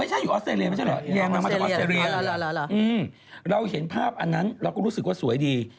หือเราเห็นภาพอันน้ั้นเราก็รู้สึกว่าสวยดี